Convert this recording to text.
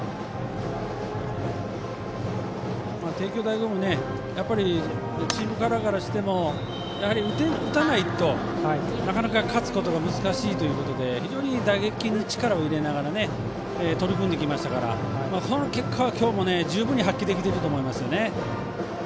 帝京第五もチームカラーからしても打たないと、なかなか勝つことが難しいということで非常に打撃に力を入れながら取り組んできましたからその結果は今日も十分に発揮できてると思いますね。